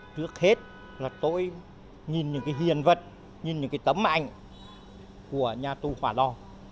trước hết là tôi nhìn những cái hiền vật nhìn những cái tấm ảnh của nhà tù hòa lò